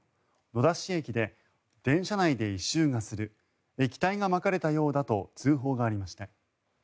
野田市駅で、電車内で異臭がする液体がまかれたようだと通報がありました。